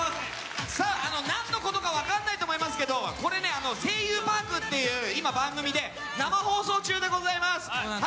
何のことか分からないと思いますけど「声優パーク」という今、番組で生放送中でございます。